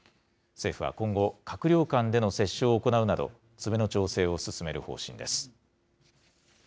政府は今後、閣僚間での折衝を行うなど、詰めの調整を進める方針です。